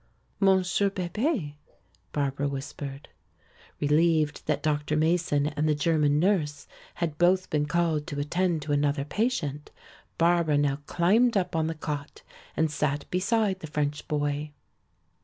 "Monsieur Bebé," Barbara whispered. Relieved that Dr. Mason and the German nurse had both been called to attend to another patient, Barbara now climbed up on the cot and sat beside the French boy.